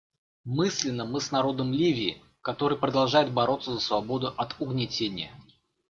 Мысленно мы с народом Ливии, который продолжает бороться за свободу от угнетения.